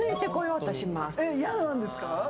嫌なんですか？